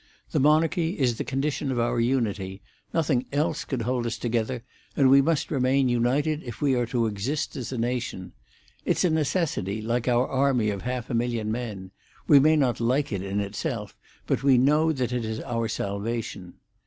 The monarchy is the condition of our unity; nothing else could hold us together, and we must remain united if we are to exist as a nation. It's a necessity, like our army of half a million men. We may not like it in itself, but we know that it is our salvation."